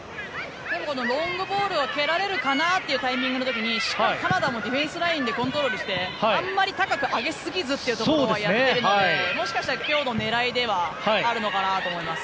ロングボールを蹴られるかなというタイミングの時にしっかりカナダもディフェンスラインでコントロールしてあんまり高く上げすぎずというところはやっているのでもしかしたら、今日の狙いではあるのかなと思います。